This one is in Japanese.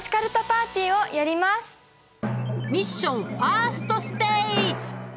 ミッションファーストステージ！